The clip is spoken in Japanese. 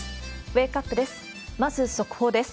ウェークアップです。